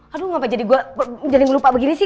aduh ngapain jadi gue jadi lupa begini sih